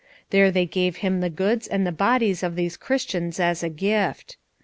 There they gave him the goods and the bodies of these Christians as a gift.